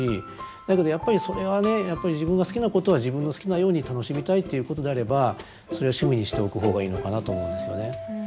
だけどやっぱりそれはね自分が好きなことは自分の好きなように楽しみたいっていうことであればそれは趣味にしておく方がいいのかなと思うんですよね。